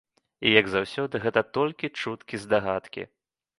І, як заўсёды, гэта толькі чуткі-здагадкі.